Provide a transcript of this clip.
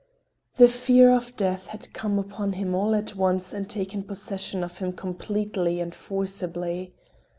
The fear of death had come upon him all at once and taken possession of him completely and forcibly.